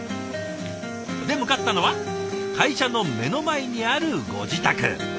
で向かったのは会社の目の前にあるご自宅。